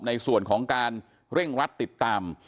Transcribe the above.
ในส่วนของการเร่งรัดติดตาม